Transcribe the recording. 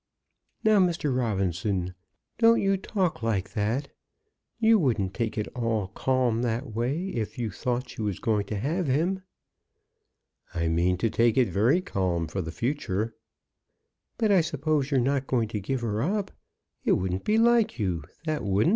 "Now, Mr. Robinson, don't you talk like that. You wouldn't take it all calm that way if you thought she was going to have him." "I mean to take it very calm for the future." "But I suppose you're not going to give her up. It wouldn't be like you, that wouldn't."